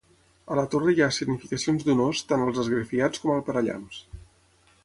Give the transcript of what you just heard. A la torre hi ha escenificacions d'un ós tant als esgrafiats com al parallamps.